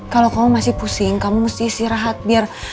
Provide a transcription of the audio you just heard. kalau kamu masih pusing kamu mesti istirahat biar